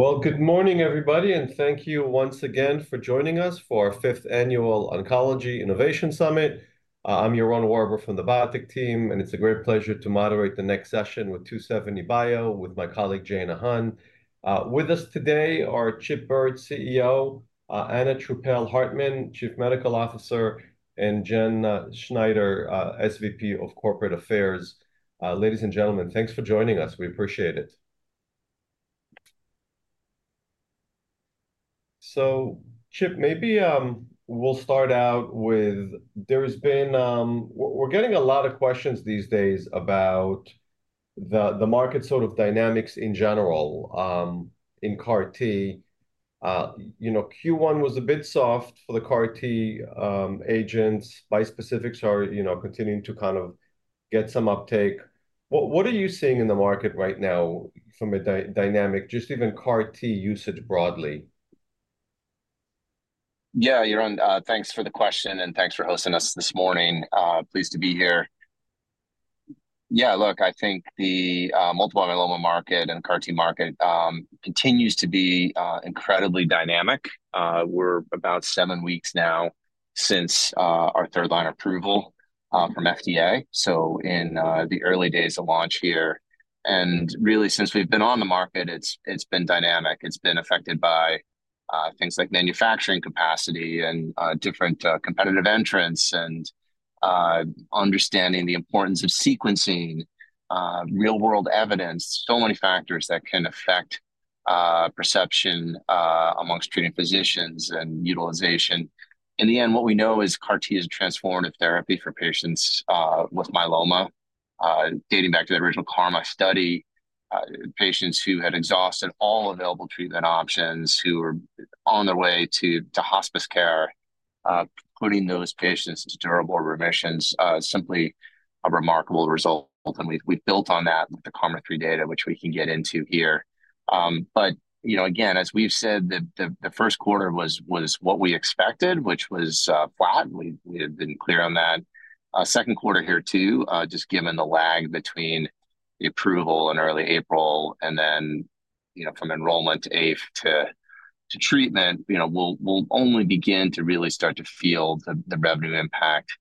Well, good morning, everybody, and thank you once again for joining us for our Fifth Annual Oncology Innovation Summit. I'm Yaron Werber from the biotech team, and it's a great pleasure to moderate the next session with 2seventy bio with my colleague, Jayna Hann. With us today are Chip Baird, CEO, Anna Truppel-Hartmann, Chief Medical Officer, and Jenn Snyder, SVP of Corporate Affairs. Ladies and gentlemen, thanks for joining us. We appreciate it. So, Chip, maybe we'll start out with... There's been, we're getting a lot of questions these days about the market sort of dynamics in general, in CAR T. You know, Q1 was a bit soft for the CAR T agents. Bispecifics are, you know, continuing to kind of get some uptake. What are you seeing in the market right now from a dynamic, just even CAR T usage broadly? Yeah, Yaron, thanks for the question, and thanks for hosting us this morning. Pleased to be here. Yeah, look, I think the multiple myeloma market and CAR T market continues to be incredibly dynamic. We're about seven weeks now since our third line approval from FDA, so in the early days of launch here. And really, since we've been on the market, it's been dynamic. It's been affected by things like manufacturing capacity and different competitive entrants, and understanding the importance of sequencing, real-world evidence. So many factors that can affect perception among treating physicians and utilization. In the end, what we know is CAR T is a transformative therapy for patients with myeloma, dating back to the original KarMMa study, patients who had exhausted all available treatment options, who were on their way to hospice care, putting those patients into durable remissions is simply a remarkable result. And we've built on that with the KarMMa-3 data, which we can get into here. But you know, again, as we've said, the first quarter was what we expected, which was flat. We had been clear on that. Second quarter here, too, just given the lag between the approval in early April and then, you know, from enrollment to apheresis to treatment, you know, we'll only begin to really start to feel the revenue impact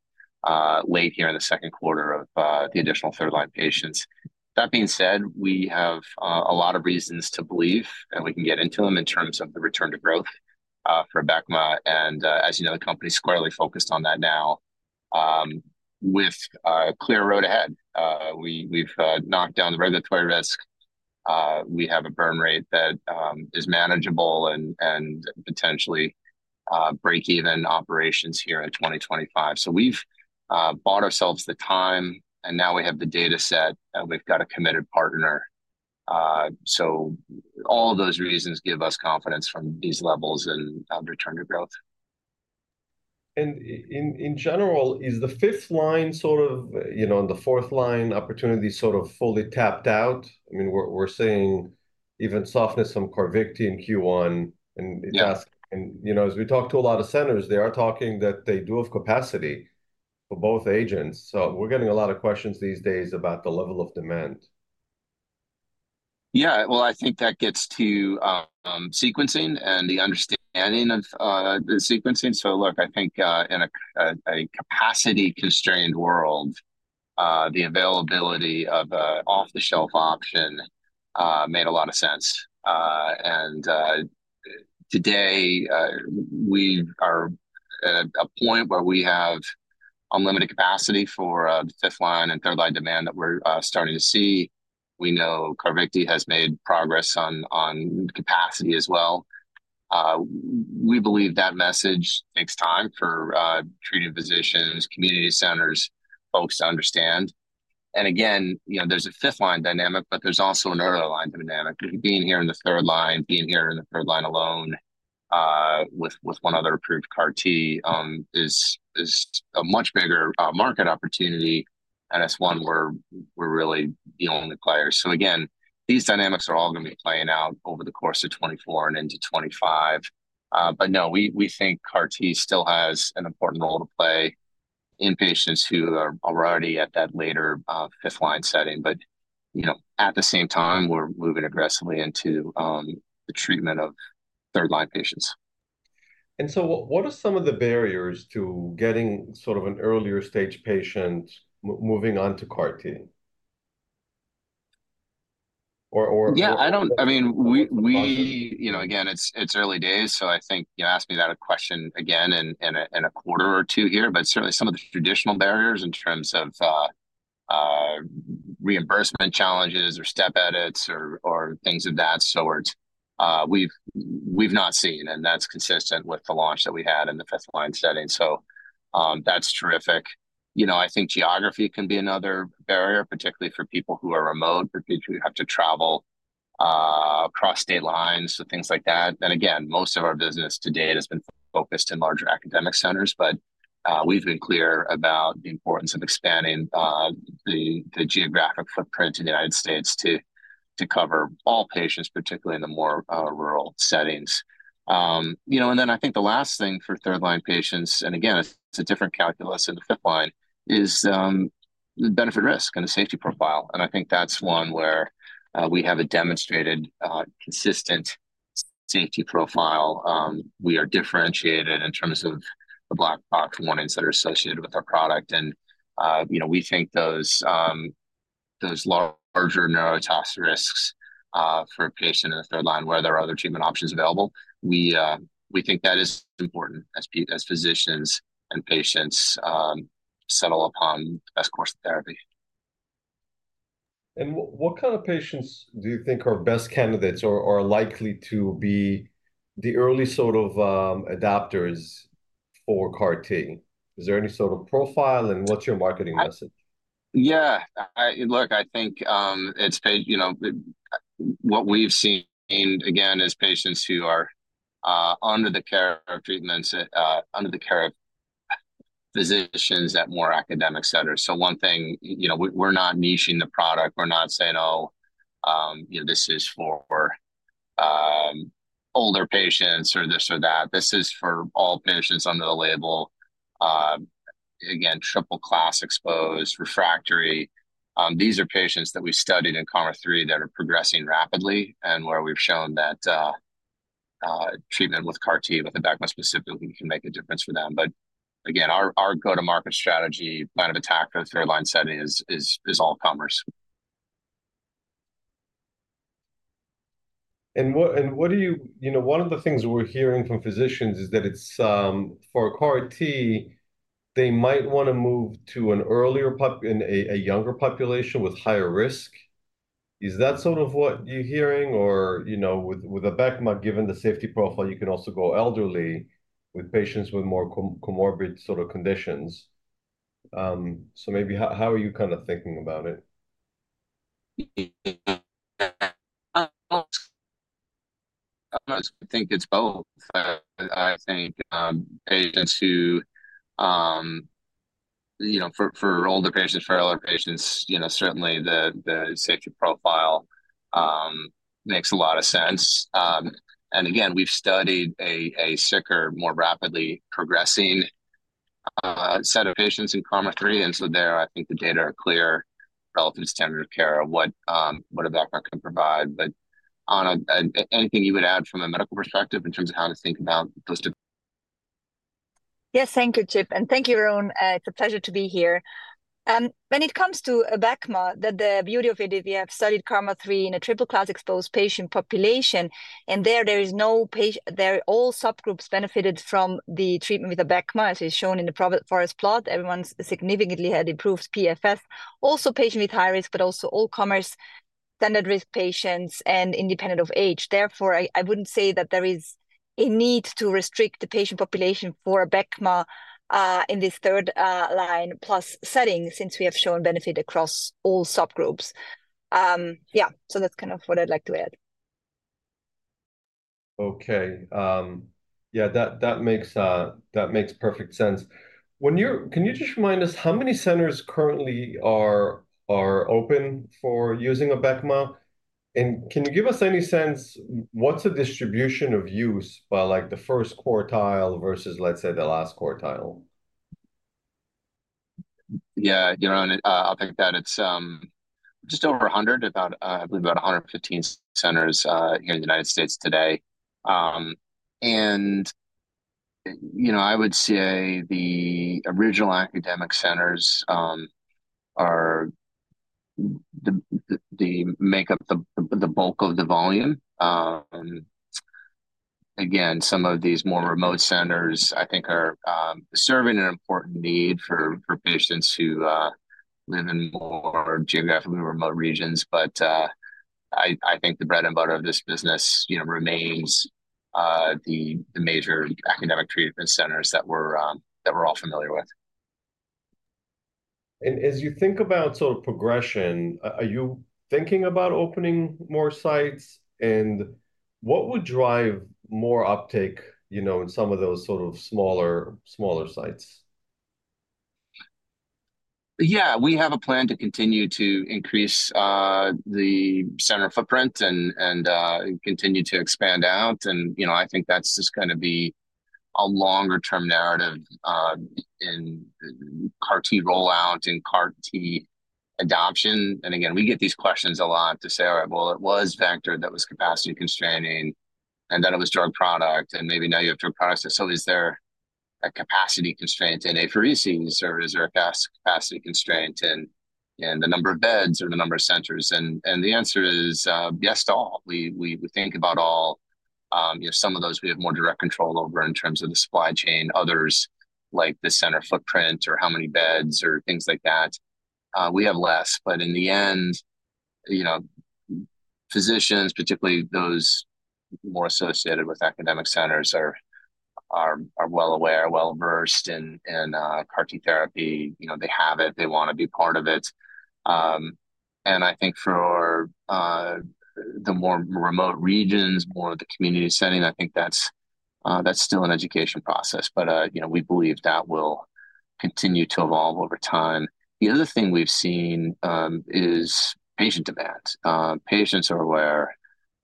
late here in the second quarter of the additional third line patients. That being said, we have a lot of reasons to believe, and we can get into them, in terms of the return to growth for Abecma. As you know, the company's squarely focused on that now, with clear road ahead. We, we've knocked down the regulatory risk. We have a burn rate that is manageable and potentially break even operations here in 2025. So we've bought ourselves the time, and now we have the data set, and we've got a committed partner. So all those reasons give us confidence from these levels and return to growth. And in general, is the fifth line sort of, you know, and the fourth line opportunity sort of fully tapped out? I mean, we're seeing even softness from Carvykti in Q1, and- Yeah... and, you know, as we talk to a lot of centers, they are talking that they do have capacity for both agents. So we're getting a lot of questions these days about the level of demand. Yeah. Well, I think that gets to sequencing and the understanding of the sequencing. So look, I think in a capacity-constrained world the availability of a off-the-shelf option made a lot of sense. And today we are at a point where we have unlimited capacity for the fifth-line and third-line demand that we're starting to see. We know Carvykti has made progress on capacity as well. We believe that message takes time for treating physicians, community centers, folks to understand. And again, you know, there's a fifth-line dynamic, but there's also an earlier line dynamic. Being here in the third line, being here in the third line alone, with one other approved CAR T, is a much bigger market opportunity, and it's one where we're really the only player. So again, these dynamics are all gonna be playing out over the course of 2024 and into 2025. But no, we think CAR T still has an important role to play in patients who are already at that later fifth line setting. But, you know, at the same time, we're moving aggressively into the treatment of third-line patients. And so what are some of the barriers to getting sort of an earlier stage patient moving on to CAR T? Or, or- Yeah, I don't... I mean, we- Uh, processes... you know, again, it's early days, so I think, you know, ask me that question again in a quarter or two here. But certainly, some of the traditional barriers in terms of reimbursement challenges or step edits or things of that sort, we've not seen, and that's consistent with the launch that we had in the fifth-line setting. So, that's terrific. You know, I think geography can be another barrier, particularly for people who are remote, for people who have to travel across state lines, so things like that. And again, most of our business to date has been focused in larger academic centers, but we've been clear about the importance of expanding the geographic footprint in the United States to cover all patients, particularly in the more rural settings. You know, and then I think the last thing for third-line patients, and again, it's a different calculus in the fifth line, is the benefit risk and the safety profile, and I think that's one where we have a demonstrated consistent safety profile. We are differentiated in terms of the black box warnings that are associated with our product, and you know, we think those those larger neurotoxic risks for a patient in a third line where there are other treatment options available, we we think that is important as physicians and patients settle upon the best course of therapy. And what kind of patients do you think are best candidates or likely to be the early sort of adopters for CAR T? Is there any sort of profile, and what's your marketing message? Yeah, look, I think, it's, hey, you know, what we've seen, again, is patients who are under the care of treatments under the care of physicians at more academic centers. So one thing, you know, we're not niching the product. We're not saying, "Oh, you know, this is for older patients," or this or that. This is for all patients under the label. Again, triple class exposed, refractory. These are patients that we studied in KarMMa-3 that are progressing rapidly, and where we've shown that treatment with CAR T, with Abecma specifically, can make a difference for them. But again, our go-to-market strategy, line of attack for the third line setting is all comers. What do you... You know, one of the things we're hearing from physicians is that it's for a CAR T, they might wanna move to an earlier population in a younger population with higher risk. Is that sort of what you're hearing? Or, you know, with Abecma, given the safety profile, you can also go elderly with patients with more comorbid sort of conditions. So maybe how are you kind of thinking about it? I think it's both. I think, patients who, you know, for, for older patients, for older patients, you know, certainly the, the safety profile makes a lot of sense. And again, we've studied a, a sicker, more rapidly progressing set of patients in KarMMa-3, and so there, I think the data are clear, relative standard of care of what, what Abecma can provide. But Anna, anything you would add from a medical perspective in terms of how to think about those- Yes, thank you, Chip, and thank you, Yaron. It's a pleasure to be here. When it comes to Abecma, the beauty of it is we have studied KarMMa-3 in a triple class exposed patient population, and all subgroups benefited from the treatment with Abecma, as is shown in the forest plot. Everyone significantly had improved PFS. Also, patient with high risk, but also all comers, standard risk patients, and independent of age. Therefore, I wouldn't say that there is a need to restrict the patient population for Abecma in this third line plus setting, since we have shown benefit across all subgroups. Yeah, so that's kind of what I'd like to add. Okay. Yeah, that makes perfect sense. Can you just remind us how many centers currently are open for using Abecma? And can you give us any sense, what's the distribution of use by, like, the first quartile versus, let's say, the last quartile? Yeah, Yaron, I'll take that. It's just over 100, about, I believe about 115 centers here in the United States today. And, you know, I would say the original academic centers are the make up the bulk of the volume. Again, some of these more remote centers, I think, are serving an important need for patients who live in more geographically remote regions. But I think the bread and butter of this business, you know, remains the major academic treatment centers that we're that we're all familiar with. As you think about sort of progression, are you thinking about opening more sites? What would drive more uptake, you know, in some of those sort of smaller, smaller sites? Yeah, we have a plan to continue to increase the center footprint and continue to expand out. And, you know, I think that's just gonna be a longer term narrative in CAR T rollout and CAR T adoption. And again, we get these questions a lot to say, "Well, it was vector that was capacity constraining, and then it was drug product, and maybe now you have drug products." So is there a capacity constraint in apheresis or is there a capacity constraint in the number of beds or the number of centers? And the answer is yes to all. We think about all, you know, some of those we have more direct control over in terms of the supply chain. Others, like the center footprint or how many beds or things like that, we have less. But in the end, you know, physicians, particularly those more associated with academic centers, are well aware, well-versed in CAR T therapy. You know, they have it, they wanna be part of it. And I think for the more remote regions, more of the community setting, I think that's still an education process. But you know, we believe that will continue to evolve over time. The other thing we've seen is patient demand. Patients are aware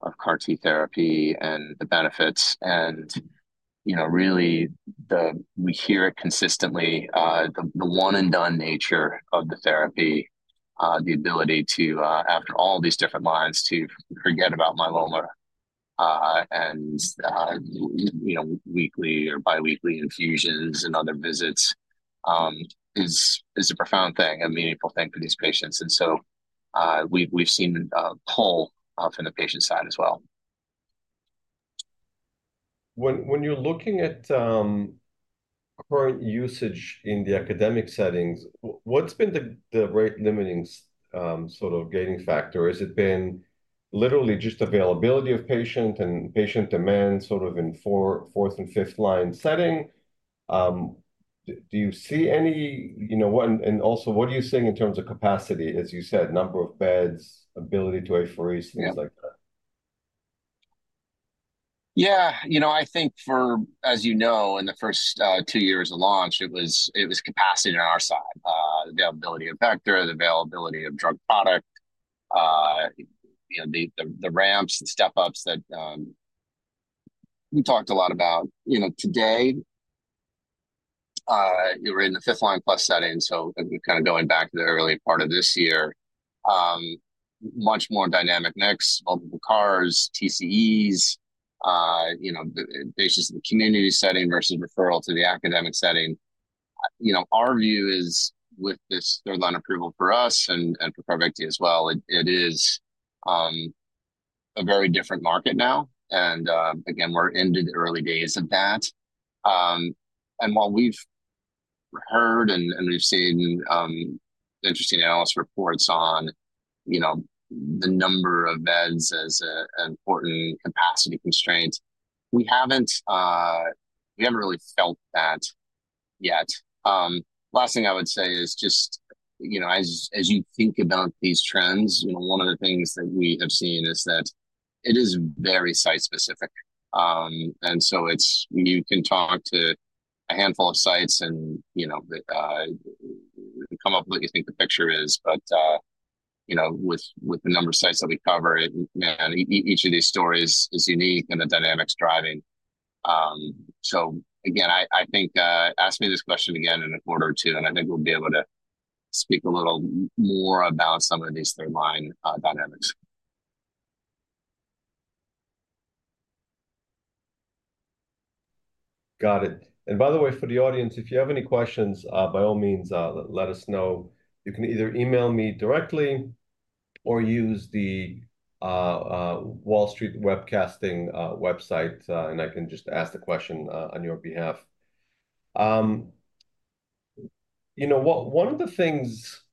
of CAR T therapy and the benefits, and, you know, really, we hear it consistently, the one-and-done nature of the therapy, the ability to, after all these different lines, to forget about myeloma, and you know, weekly or biweekly infusions and other visits is a profound thing, a meaningful thing for these patients. So, we've seen pull from the patient side as well. When you're looking at current usage in the academic settings, what's been the rate-limiting sort of gaining factor? Has it been literally just availability of patient and patient demand, sort of, in fourth- and fifth-line setting? Do you see any... You know, and also, what are you seeing in terms of capacity? As you said, number of beds, ability to apheresis- Yeah... things like that. Yeah. You know, I think for, as you know, in the first two years of launch, it was, it was capacity on our side. The availability of vector, the availability of drug product, you know, the ramps, the step-ups that we talked a lot about. You know, today, we're in the fifth line plus setting, so, and kind of going back to the early part of this year, much more dynamic next, multiple CARs, TCEs, you know, basically the community setting versus referral to the academic setting. You know, our view is with this third line approval for us and, and for Carvykti as well, it, it is a very different market now. And, again, we're in the early days of that. And what we've heard, and we've seen, interesting analysis reports on, you know, the number of beds as a, an important capacity constraint. We haven't, we haven't really felt that yet. Last thing I would say is just, you know, as, as you think about these trends, you know, one of the things that we have seen is that it is very site specific. And so it's- you can talk to a handful of sites and, you know, come up with what you think the picture is. But, you know, with, with the number of sites that we cover, man, each of these stories is unique and the dynamics driving. So again, I think, ask me this question again in a quarter or two, and I think we'll be able to speak a little more about some of these third line dynamics. Got it. And by the way, for the audience, if you have any questions, by all means, let us know. You can either email me directly or use the Wall Street Webcasting website, and I can just ask the question on your behalf. You know, one of the things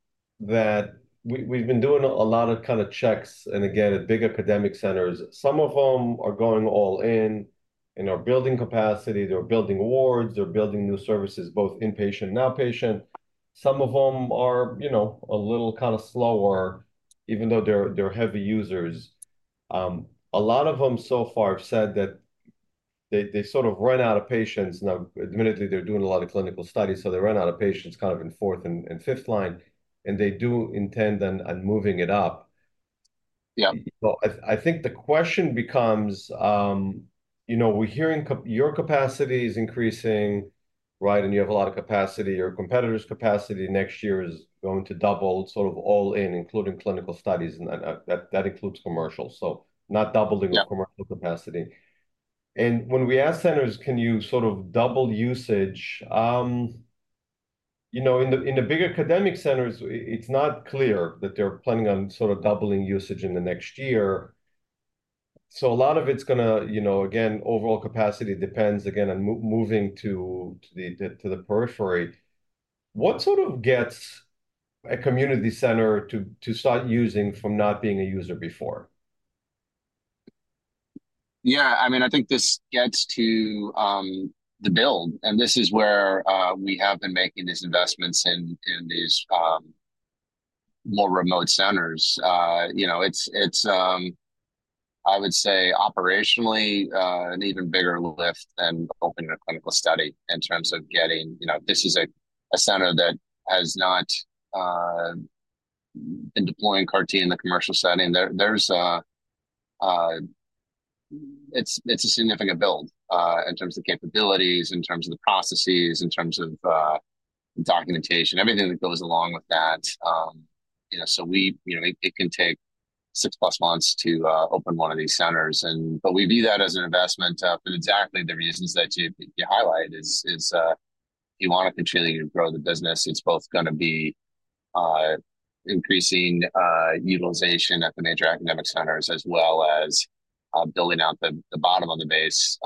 that we've been doing a lot of kind of checks, and again, at big academic centers, some of them are going all in, and are building capacity, they're building wards, they're building new services, both inpatient and outpatient. Some of them are, you know, a little kind of slower, even though they're heavy users. A lot of them so far have said that they sort of ran out of patients. Now, admittedly, they're doing a lot of clinical studies, so they ran out of patients kind of in fourth and fifth line, and they do intend on moving it up. Yeah. So I think the question becomes, you know, we're hearing your capacity is increasing, right? And you have a lot of capacity. Your competitor's capacity next year is going to double, sort of, all in, including clinical studies, and that includes commercial. So not doubling- Yeah... the commercial capacity. When we ask centers, can you sort of double usage? You know, in the big academic centers, it's not clear that they're planning on sort of doubling usage in the next year. So a lot of it's gonna, you know... Again, overall capacity depends again on moving to the periphery. What sort of gets a community center to start using from not being a user before? Yeah. I mean, I think this gets to the build, and this is where we have been making these investments in these more remote centers. You know, it's. I would say operationally an even bigger lift than opening a clinical study in terms of getting... You know, this is a center that has not been deploying CAR T in the commercial setting. There's. It's a significant build in terms of capabilities, in terms of the processes, in terms of documentation, everything that goes along with that. You know, so you know, it can take six plus months to open one of these centers and but we view that as an investment for exactly the reasons that you highlighted is if you want to continue to grow the business, it's both gonna be increasing utilization at the major academic centers, as well as building out the bottom of the base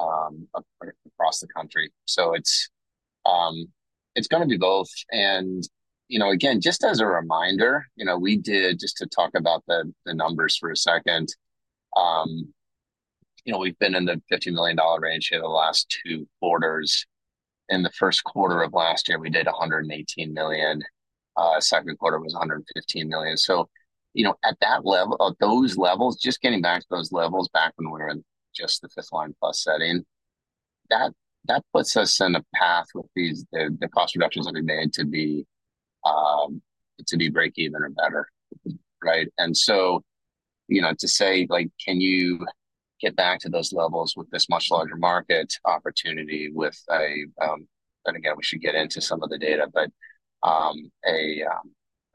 across the country. So it's gonna be both. And you know, again, just as a reminder, you know, we did, just to talk about the numbers for a second, you know, we've been in the $50 million range here the last two quarters. In the first quarter of last year, we did $118 million, second quarter was $115 million. So, you know, at that level, at those levels, just getting back to those levels back when we were in just the fifth line plus setting—that puts us on a path with these cost reductions that are made to be breakeven or better, right? And so, you know, to say, like, can you get back to those levels with this much larger market opportunity with a, and again, we should get into some of the data, but a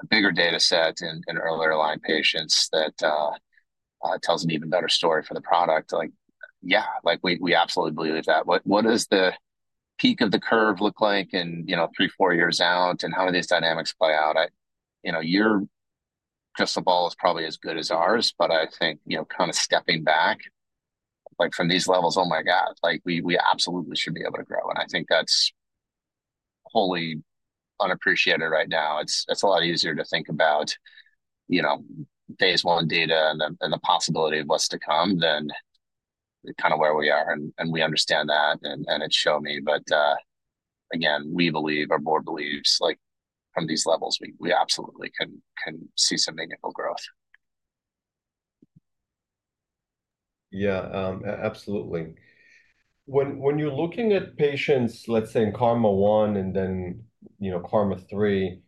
bigger data set in earlier line patients that tells an even better story for the product. Like, yeah, like, we absolutely believe that. What is the peak of the curve look like in, you know, three, four years out, and how do these dynamics play out? I, you know, your crystal ball is probably as good as ours, but I think, you know, kind of stepping back, like, from these levels, oh, my God, like, we, we absolutely should be able to grow. And I think that's wholly unappreciated right now. It's, it's a lot easier to think about, you know, phase one data and the, and the possibility of what's to come than kind of where we are, and, and we understand that, and, and it's shown me. But, again, we believe, our board believes, like, from these levels, we, we absolutely can, can see some meaningful growth. Yeah, absolutely. When you're looking at patients, let's say in KarMMa, and then, you know, KarMMa-3,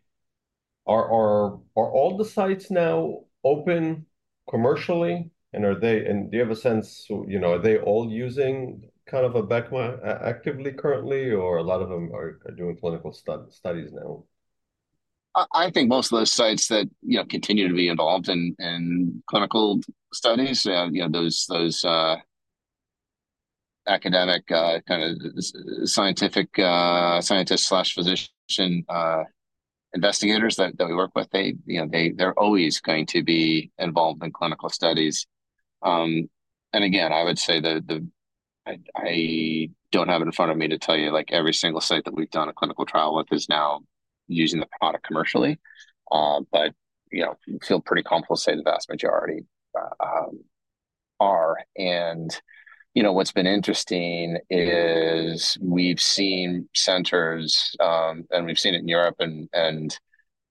are all the sites now open commercially? And do you have a sense, you know, are they all using kind of a Abecma actively currently, or a lot of them are doing clinical studies now? I think most of those sites that, you know, continue to be involved in clinical studies, you know, those academic kind of scientific scientist/physician investigators that we work with, they, you know, they're always going to be involved in clinical studies. And again, I would say that the I don't have it in front of me to tell you, like, every single site that we've done a clinical trial with is now using the product commercially. But, you know, feel pretty comfortable to say the vast majority are. And, you know, what's been interesting is we've seen centers, and we've seen it in Europe, and,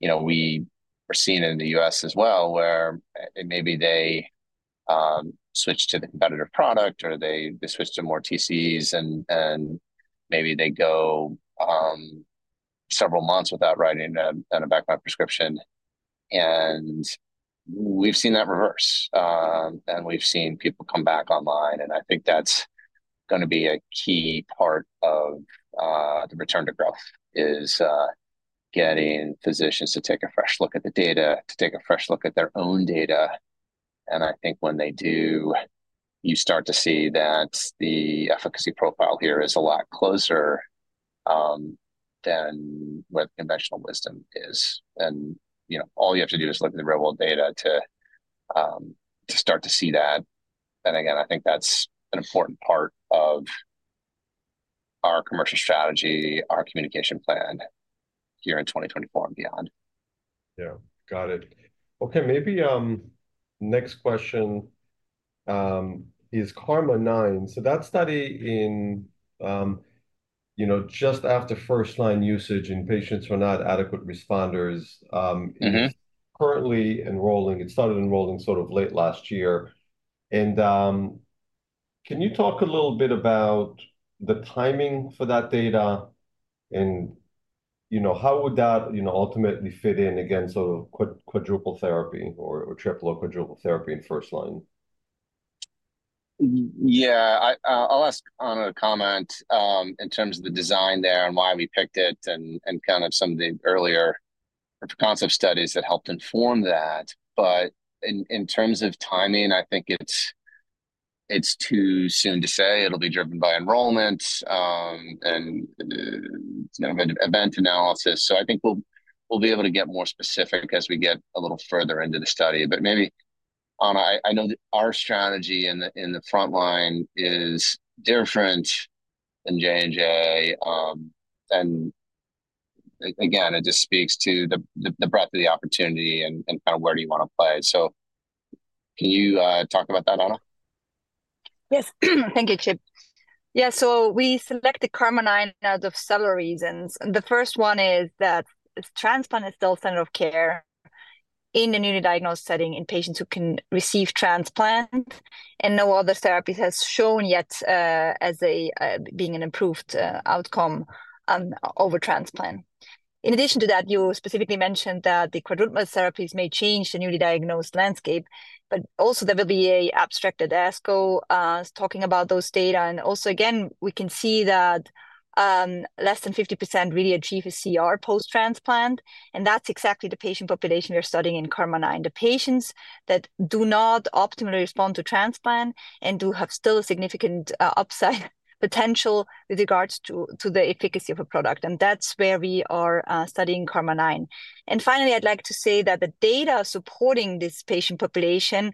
you know, we are seeing it in the U.S. as well, where maybe they switch to the competitive product, or they switch to more TCEs, and maybe they go several months without writing a Abecma prescription. And we've seen that reverse. And we've seen people come back online, and I think that's gonna be a key part of the return to growth, is getting physicians to take a fresh look at the data, to take a fresh look at their own data. And I think when they do, you start to see that the efficacy profile here is a lot closer than what conventional wisdom is. You know, all you have to do is look at the real-world data to to start to see that. Again, I think that's an important part of our commercial strategy, our communication plan here in 2024 and beyond. Yeah, got it. Okay, maybe, next question, is KarMMa-9. So that study in, you know, just after first-line usage in patients who are not adequate responders, Mm-hmm... it is currently enrolling. It started enrolling sort of late last year. Can you talk a little bit about the timing for that data? You know, how would that, you know, ultimately fit in against sort of quadruple therapy or triple or quadruple therapy in first line? Yeah, I'll ask Anna to comment in terms of the design there and why we picked it, and kind of some of the earlier concept studies that helped inform that. But in terms of timing, I think it's too soon to say. It'll be driven by enrollment and kind of event analysis. So I think we'll be able to get more specific as we get a little further into the study. But maybe, Anna, I know that our strategy in the front line is different than J&J. And again, it just speaks to the breadth of the opportunity and kind of where do you want to play. So can you talk about that, Anna? Yes. Thank you, Chip. Yeah, so we selected KarMMa-9 out of several reasons, and the first one is that transplant is still center of care in the newly diagnosed setting, in patients who can receive transplant, and no other therapy has shown yet, as being an improved outcome over transplant. In addition to that, you specifically mentioned that the quadruple therapies may change the newly diagnosed landscape, but also there will be an abstract at ASCO talking about those data. And also, again, we can see that less than 50% really achieve a CR post-transplant, and that's exactly the patient population we're studying in KarMMa-9. The patients that do not optimally respond to transplant and do have still a significant upside potential with regards to the efficacy of a product, and that's where we are studying KarMMa-9. And finally, I'd like to say that the data supporting this patient population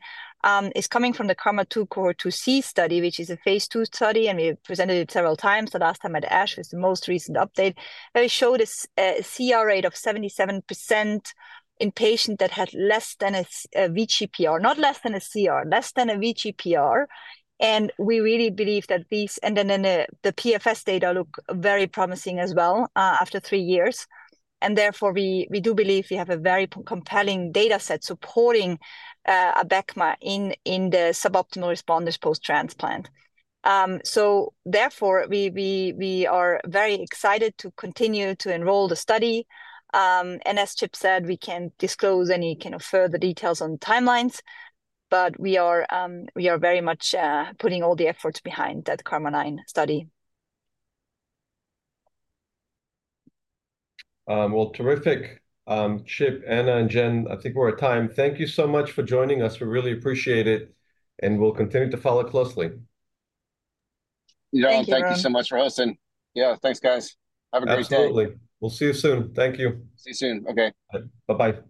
is coming from the KarMMa-2 Cohort 2C study, which is a phase 2 study, and we presented it several times. The last time at ASH was the most recent update, that we showed a CR rate of 77% in patient that had less than a VGPR. Not less than a CR, less than a VGPR. And we really believe that these and then in the PFS data look very promising as well after three years. And therefore, we do believe we have a very compelling data set supporting Abecma in the suboptimal responders post-transplant. So therefore, we are very excited to continue to enroll the study. And as Chip said, we can't disclose any kind of further details on the timelines, but we are, we are very much putting all the efforts behind that KarMMa-9 study. Well, terrific. Chip, Anna, and Jen, I think we're at time. Thank you so much for joining us. We really appreciate it, and we'll continue to follow closely. Yeah. Thank you so much for hosting. Yeah, thanks, guys. Have a great day. Absolutely. We'll see you soon. Thank you. See you soon. Okay. Bye-bye.